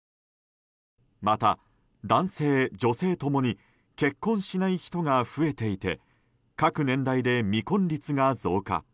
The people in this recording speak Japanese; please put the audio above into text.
また、男性、女性共に結婚しない人が増えていて各年代で未婚率が増加。